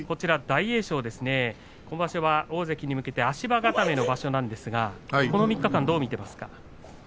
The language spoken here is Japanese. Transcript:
大栄翔、今場所は大関に向けて足場固めの場所なんですがこの３日間、どう見ていますか。